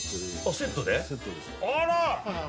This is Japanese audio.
セットです。